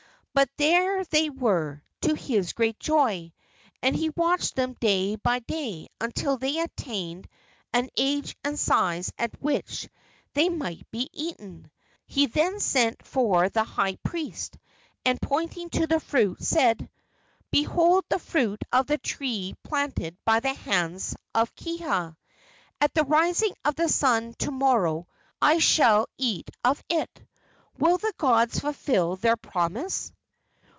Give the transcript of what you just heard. But there they were, to his great joy, and he watched them day by day until they attained an age and size at which they might be eaten. He then sent for the high priest, and, pointing to the fruit, said: "Behold the fruit of the tree planted by the hands of Kiha. At the rising of the sun to morrow I shall eat of it. Will the gods fulfil their promise?"